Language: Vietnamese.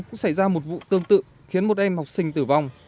cũng xảy ra một vụ tương tự khiến một em học sinh tử vong